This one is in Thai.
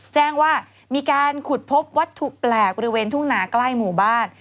แจ้งว่ามีการขุดพบวัตถุแปลกบริเวณทุ่งหนาใกล้หมู่บ้าน